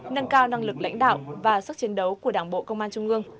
nâng cao năng lực lãnh đạo và sức chiến đấu của đảng bộ công an trung ương